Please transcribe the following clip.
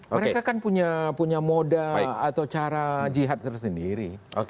mereka kan punya moda atau cara jihad tersendiri